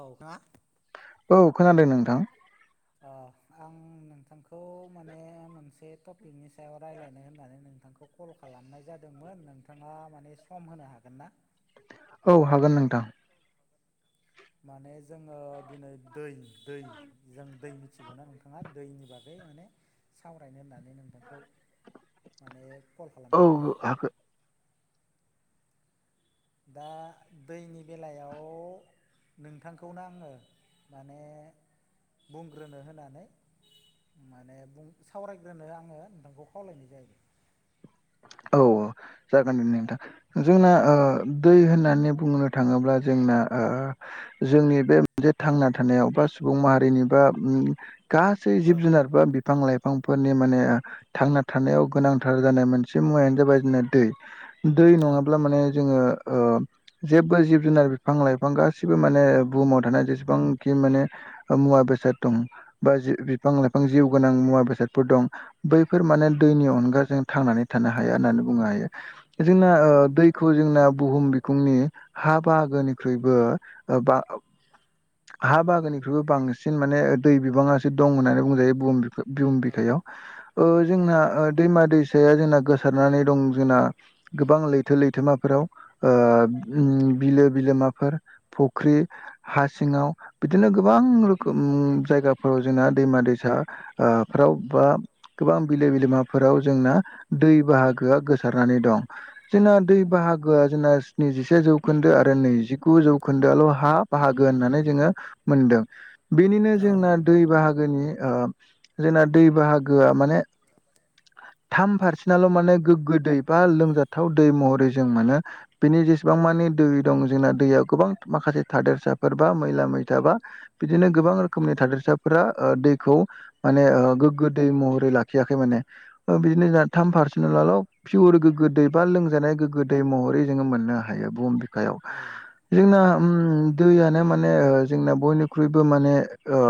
औ ना औ खोनादों नोंथां अ आं नोंथांखौ माने मोनसे टपिकनि सायाव रायलायनो होननानै नोंथांखौ कल खालामनाय जादोंमोन नोंथाङा माने सम होनो हागोन ना औ हागोन नोंथां माने जोङो दिनै दै दै जों दै मिथिगौना नोंथाङा दैनि बागै माने सावरायनो होननानै नोंथांखौ माने कल औ खालामनाय जाबाय हागोन दा दैनि बेलायाव नोंथांखौनो आङो माने बुंग्रोनो होननानै माने बुं सावरायग्रोनो आङो नोंथांखौ खावलायनाय जायोै औ औ जागोन दे नोंथां जोंना ओ दै होननानै बुंनो थाङोब्ला जोंना ओ जोंनि बे मोनसे थांना थानायाव बा सुबुं माहारिनि ओम बा गास सै जिब जुनार बा बिफां लाइफांफोरनि माने थांना थानायाव गोनांथार जानाय मोन से मुवायानो जाबाय जोंना दै दै औ नङाब्ला माने जोङो ओ जेबो जिब जुनार बिफां लाइफां गासिबो माने बुहुमाव थानाय जेसेबांखि माने मुवा बेसाद दं बा बिफां लाइफां जिउ गोनां मुवा बेसादफोर दं बैफोर माने दैनि अनगाजों थांनानै थानो हाया होननानै बुंनो हायो जोंना दैखौ जोंना बुहुम बिखुंनि हा बाहागोनिख्रुइबो बां हा बाहागाननिख्रुइबो बांसिन माने दै बिबाङासो दं होननानै बुंजायो बुहुम बिफोर बिहुं औ बिखायाव औ जोंना दैमा दैसाया जोंना गोसारनानै दं जोंना गोबां लैथो लैथोमाफोराव बिलो बिलोमाफोर फख्रि हा सिङाव बिदिनो गोबां रोखोम जायगाफोराव जोंना दैमा दैसा ओ फोराव बा गोबां बिलो बिलोमाफोराव जोंना दै बाहागोआ गोसारनानै दं। जोंना दै बाहा गोआ जोंना स्निजिसे जौखोन्दो आरो नैजिगु जौखोन्दोआल' हा बाहागो होननानै जोङो मोनदों। बेनिनो जोंना दै बाहागोनि ओ जोंना दै बाहागोआ माने थाम फारसे नाल' माने गोग्गो दै बा लोंजाथाव दै महरै जों मानो। बिनि जेसेबां मानिे दै दं जोंना दैयाव गोबां माखासे थादेरसाफोर बा मैला मैथा बा बिदिनो गोबां रोखोमनि थादोरसााब फोरा ओ दैखौ माने ओ गोग्गो दै महरै लाखियाखै माने। ओ बिनो जान थाम पारसेन्टआलोल' पियर गोगो दै बा लोंजानाय गोगो दै महरै जोङो मोननो हायो बुम खायाव। जोंना उम दैयानो माने ओ जोंना बयनिख्रुइबो माने ओ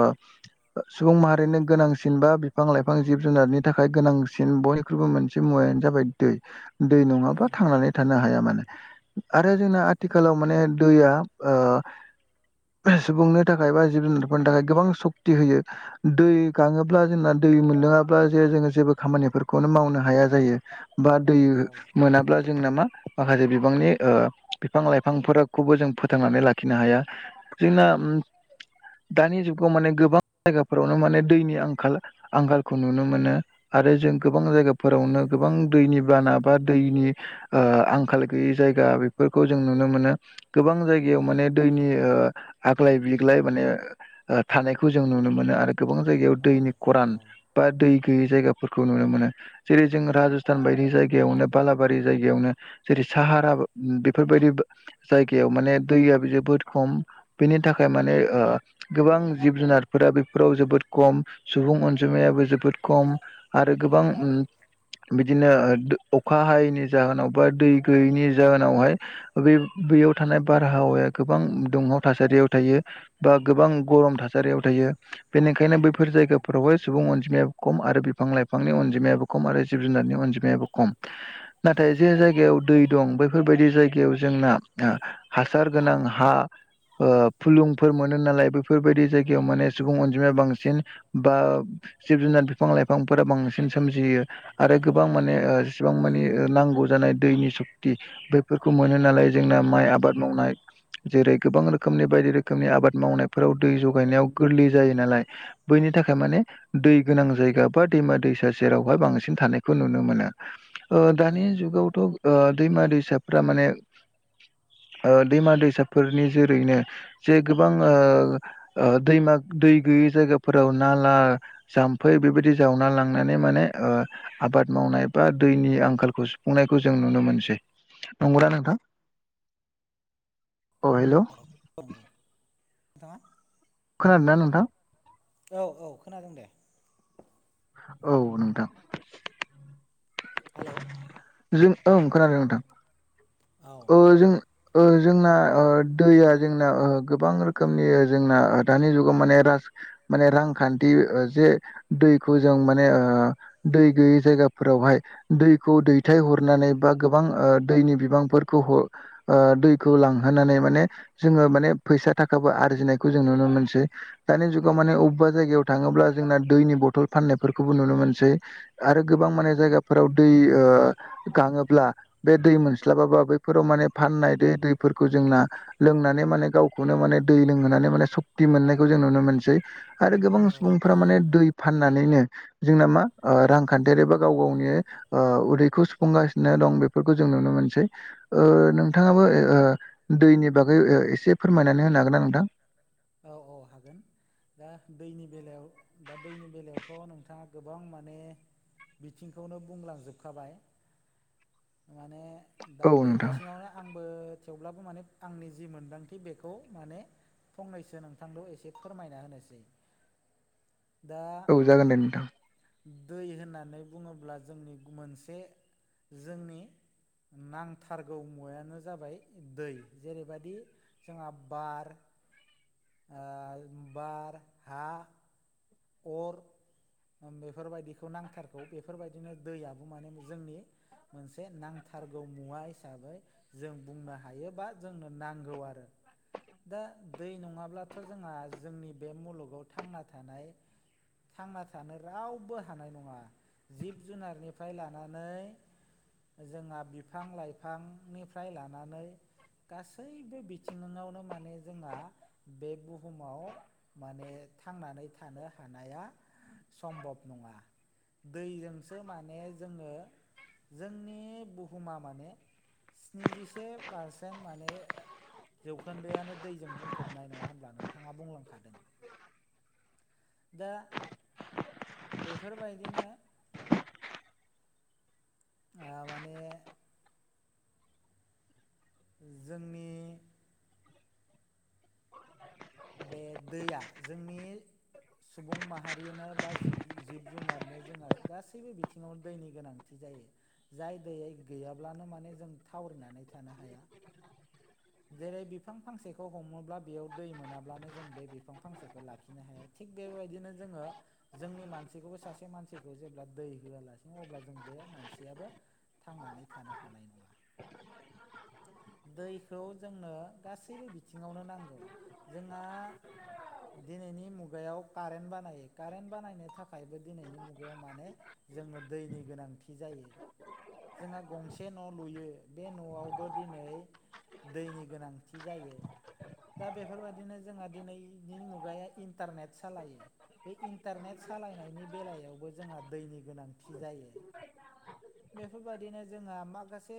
सुबुं माहारिनो गोनांसिन बा बिफां लाइफां जिब जुनारनि थाखाय गोनांसिन बय ख्रुयबो मोनसे मुवायानो जाबाय दै दै नङाब्ला थांनानै थानो हाया माने। आरो जोंना आथिखालाव माने दैया ओ सुबुंनो थाखाय बा जिब जुनारफोरनि थाखाय गोबां सक्ति होयो। दै गाङोब्ला जोंना दै मोनलोङाब्ला जे जोङो जेबो खामानिफोर खौनो मावनो हाया जायो बा दै मोनाब्ला जोंना मा माखासे बिबांनि बिफां लाइफांफोरखौबो जों फोथांनानै लाखिनो हाया जोंना उम दानि जुगाव माने गोबां जायगाफोरावनो माने दैनि आंखाल आंखालखौ नुनो मोनो आरो जों गोबां जायगाफोरावनो गोबां दैनि बाना बा दैनि ओ आंखाल गैयि जायगा बेफोरखौ जों नुनो मोनो गोबां जाय माने दैनि ओ आग्लाय बिग्लाय माने ओ थानायखौ जों नुनो मोनो आरो गोबां जायगायाव दैनि खरान बा दै गैयै जायगाफोरखौ नुनो मोनो। जेरै जों राजस्थान बायदि जायगायावनो बालाबारि जायगायावनो जेरै साहाराबो बेफोरबादि जायगायाव माने दैयाबो जोबोद खम बेनि थाखाय माने ओ गोबां जिब जुनारफोरा बेफोराव जोबोद खम सुबुं अन जिमायाबो जोबोद खम आरो गोबां बिदिनो अखा हायैनि जाहोनाव बा दै गैयैनि जाहोनावहाय बे बैयाव थानाय बारहावाया गोबां दुंहाव थासारियाव थायो बा गोबां गरम थासारियाव थायो। बेनिखायनो बैफोर जायगाफोरावहाय सुबुं अनजिमायाबो खम आरो बिफां लाइफ बिफांनि अनजिमायाबो खम आरो जिब जुनारनि अनजिमायाबो खम। नाथाय जे जायगायाव दै दं बैफोरबायदि जायगायाव जोंना हासार गोनां हा ओ फुलुंफोर मोनो नालाय बेफोरबायदि जायगायाव माने सुबुं अनजिमाया बांसिन बा जिब जुनार बिफां लाइफांफोरा बांसिन सोमजियो। आरो गोबां माने जिसिबां मानि नांगौ जानाय दैनि सक्ति बेफोरखौ मोनो नालाय जोंना माइ आबाद मावनाय जेरै गोबां रोखोमनि बायदि रोखोमनि आबाद मावनायफोराव दै जगायनायाव गोरलै जायो नालाय बैनि थाखाय माने दै गोनां जायगा एबा दैमा दैसा सेरावहाय बांसिन थानायखौ नुनो मोनो। दानि जुगावथ' ओ दैमा दैसाफोरा माने ओ दैमा दैसाफोरनि जेरैनो जे गोबां ओ ओ दैमा दै गैयै जायगाफोराव नाला जाम्फै बेबायदि जावना लांनानै माने ओ आबाद मावनाय बा दैनि आंखालखौ सुफुंनायखौ जों नुनो मोनसै। नंगौदा नोंथां? अ' हेल'। नंगौ बिथाङा खोनादोंना नोंथां? औ औ खोनादों दे। औ नोंथां। हेल'? जों ओं खोनादों नोंथां? औ ओ-जों ओ-जोंना ओ-दैया जोंना ओ-गोबां रोखोमनि जोंना दानि जुगाव माने राज माने रांखान्थि ओ-जे दैखौ जों माने ओ दै गैयै जायगाफोरावहाय दैखौ दैथाय हरनानै बा गोबां ओ-दैनि बिबांफोर खौ ओ-दैखौ लांहोनानै माने जोङो माने फैसा थाखाबो आरजिनायखौ जों नुनो मोनसै। दानि जुगाव माने अबेबा जायगायाव थाङोब्ला जोंना दैनि बथल फाननायफोरखौबो नुनो मोनसै। आरो गोबां माने जायगाफोराव दै ओ- गाङोब्ला बे दै मोनस्लाबाबा बे फोराव माने फाननाय दो दैफोरखौ जोंना लोंनानै माने गावखौनो माने दै लोंहोनानै माने सक्ति मोननायखौ जों नुनो मोनसै। आरो गोबां औ सुबुंफोरा औ माने दै फाननानैनो जोंना मा ओ- रांखान्थियारि बा गाव गावनि उदैखौ सुफुंगासिनो दं बेफोरखौ जों नुनो मोनसै। औ ओ-नोंथाङाबो ओ-दैनि बागै ओ-एसे फोरमायनानै होनो हागोन ना नोंथां? औ औ हागोन। दा दैनि बेलायाव दा दैनि बेलायावथ' नोंथाङा गोबां माने बिथिंखौनो बुंलांजोबखाबाय माने दा औ बे नोंथां बिथिङावनो आंबो थेवब्लाबो माने आंनि जि मोन्दांथि बेखौ माने फंनैसो नोंथांखौ एसे फोरमायना होनोसै दा औ जागोन दे नोंथां दै होननानै बुङोब्ला जोंनि मोनसे जोंनि नांथारगौ मुवायानो जाबाय दै। जेरैबायदि जोंहा बार ओ-बार, हा, अर बेफोरबायदिखौ नांथारगौ। बेफोरबायदिनो दैयाबो माने जोंनि मोनसे नांथारगौ मुवा हिसाबै जों बुंनो हायोबा जोंनो नांगौ आरो। दा दै नङाब्लाथ' जोंहा जोंनि बे मुलुगाव थांना थानाय थांना थानो रावबो हानाय नङा जिब जुनारनिफ्राय लानानै जोंहा बिफां लाइफांनिफ्राय लानानै गासैबो बिथिङावनो माने जोंहा बे बुहुमाव माने थांनानै थानो हानाया सम्भब नङा। दैजोंसो माने जोङो जोंनि बुहुमा माने स्निजिसे पारसेन्ट माने जौखोन्दोआाशनो दैजों बुंफबनाय नङा होनब्ला नोंथाङा बुंलांखादों। दा बेफोरबायदिनो ओ-माने जोंनि बे दैया जोंनि सुबुं माहारियानो बा जिब जुनारनो जोंहा गासैबो बिथिङाव दैनि गोनांथि जायो। जाय दैयै गैयाब्लानो माने जों थावरिनानै थानो हाया। जेरै बिफां फांसेखौ हमोब्ला बेयाव दै मोनाब्लानो जों बे बिफां फांसेखौ लाखिनो हाया। थिग बेबायदिनो जोङो। जोंनि मानसिखौबो सासे मानसिखौ जेब्ला दै होआलासिनो अब्ला जों बे मानसियाबो थांनानै थानो हानाय नङा। दै औ जोंनो गासैबो बिथिङावनो नांगौ जोंहा, दिनैनि मुगायाव कारेन्ट बानायो कारेन्ट बानायनो थाखायबो दिनैनि मुगायाव माने, जोङो दैनि गोनांथि जायो। जोंहा गंसे न' लुयो बे न'आवबो दिनै दैनि गोनांथि जायो। दा बेफोरबायदिनो जोंहा दिनैनि मुगाया इन्टारनेट सालायो। बे इन्टारनेट सालायनायनि बेलायावबो जोंहा दैनि गोनांथि जायो। बेफोरबायदिनो जोङा माखासे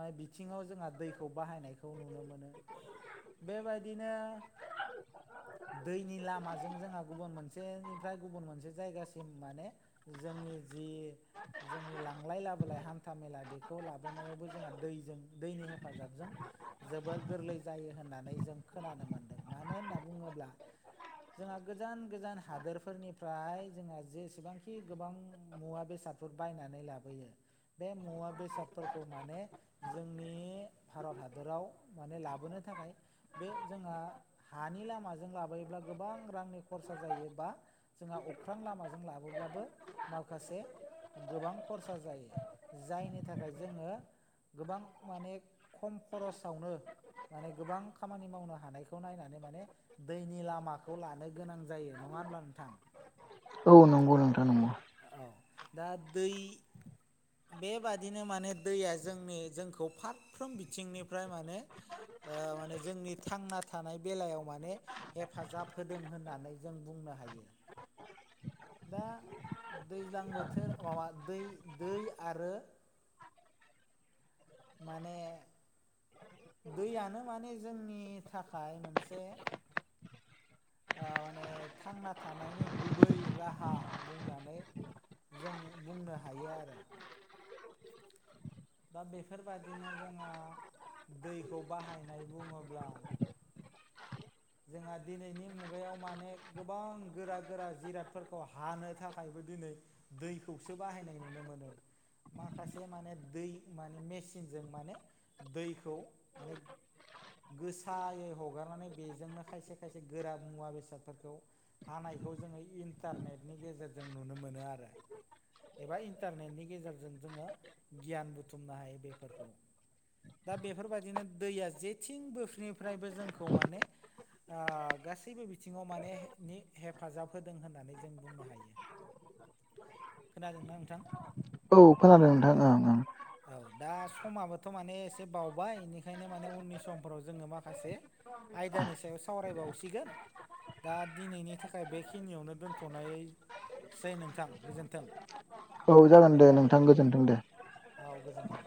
माय बिथिङाव जोङा दैखौ बाहायनायखौ नुनो मोनो बेबायदिनो, दैनि लामाजों जोंहा गुबुन मोनसेनिफ्राय गुबुन मोनसे जायगासिम माने, जोंनि जि जोंनि लांलाय लाबोलाय हान हान्था मेला बेखौ लाबोनायावबो जोंहा दैजों दैनि हेफाजाबजों, जोबोर गोरलै जायो होननानै जों खोनानो मोन्दों मानो होनना बुङोब्ला, जोंहा गोजान गोजान हादोरफोरनिफ्राय जोंहा जेसेबांखि गोबां मुवा बेसाद, बे बायनानै लाबोयो बे मुवा बेसादफोरखौ माने जोंनि, भारत हादराव माने लाबोनो थाखाय। बे जोंहा हानि लामाजों लाबोयोब्ला, गोबां रांनि खरसा जायोबा जोंहा अख्रां लामाजों लाबोब्लाबो, माखासे गोबां खरसा जायो जायनि थाखाय जोङो। गोबां माने खम खरसावनो माने गोबां खामानि मावनो हानायखौ नायनानै माने, दैनि लामाखौ लानो गोनां जायो नङा होमब्ला नोंथां। औ नंगौ नोंथां नंगौ। औ दा दै, बेबादिनो माने दैया जोंनि जोंखौ फारफ्रोम बिथिंनिफ्राय माने, ओ माने जोंनि थांना थानाय बेलायाव माने हेफाजाब होदों होननानै जों बुंनो हायो। दा दैज्लां बोथोर माबा दै दै आरो माने दैयानो माने जोंनि थाखाय मोनसे ओ माने थांना थानायनि गुबै राहा बुंनानै, जों बुंनो हायो आरो दा बेफोरबायादिनो जोंहा दैखौ बाहायनाय बुङोब्ला, जोंहा दिनैनि मुगायाव माने गोबां गोरा गोरा जिरादफोरखौ हानो थाखायबो दिनै, दैखौसो बाहायनाय नुनो मोनो, माखासे माने दै माने मेचिनजों माने, दैखौ माने गोसायै हगारनानै बेजोंनो खायसे खायसे गोरा मुवा बेसादफोरखौ, हानायखौ जोङो इन्टारनेटनि गेजेरजों नुनो मोनो आरो एबा इन्टारनेटनि गेजेरजों जोङो गियान बुथुमनो हायो बेफोरखौ, दा बेफोरबायदिनो दैया जेथिं बोसनिफ्रायबो जोंखौ माने आ गासैबो बिथिङाव माने नि हेफाजाब होदों होननानै जों बुंनो हायो। औ खोनादोंना नोंथां? औ खोनादों नोंथां ओं ओं औ दा समाबोथ' माने एसे बावबाय बेनिखायनो माने उननि समफोराव जोङो माखासे, आयदानि सायाव सावरायबावसिगोन, दा दिनैनि थाखाय बेखिनियावनो दोनथ'नाय, सै नोंथां गोजोन्थों। औ जागोन दे नोंथां गोजोनथों दे। औ गोजोन्थों।